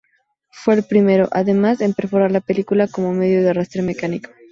Fue el primero, además, en perforar la película, como medio de arrastre mecánico.